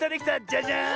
じゃじゃん！